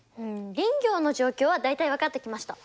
林業の状況は大体分かってきました。